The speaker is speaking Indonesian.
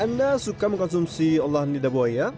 anda suka mengkonsumsi olahan lidah buaya